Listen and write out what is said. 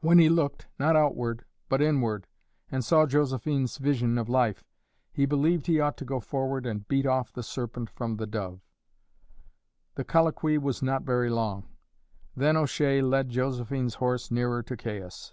When he looked, not outward, but inward, and saw Josephine's vision of life, he believed he ought to go forward and beat off the serpent from the dove. The colloquy was not very long. Then O'Shea led Josephine's horse nearer to Caius.